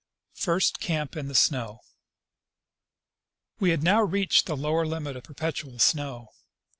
First Camp in the Snow. We had now reached the lower limit of perpetual snow.